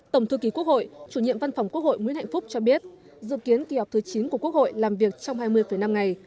tổng thư ký quốc hội chủ nhiệm văn phòng quốc hội nguyễn hạnh phúc cho biết dự kiến kỳ họp thứ chín của quốc hội làm việc trong hai mươi năm ngày